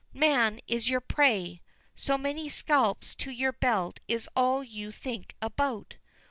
Man is your prey! So many scalps to your belt is all you think about.